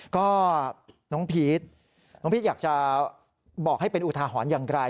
ก็น้องพีชน้องพีชอยากจะบอกให้เป็นอุทาหรณ์อย่างไร